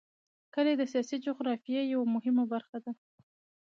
کلي د سیاسي جغرافیه یوه مهمه برخه ده.